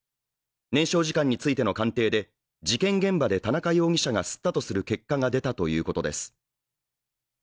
燃焼時間についての鑑定で、事件現場で田中容疑者が吸ったとする結果が出たということです。